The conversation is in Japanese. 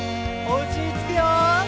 おうちにつくよ。